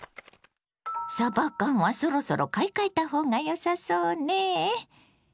さば缶はそろそろ買い替えた方がよさそうね。